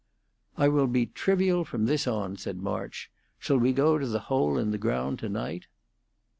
"I will be trivial from this on," said March. "Shall we go to the Hole in the Ground to night?"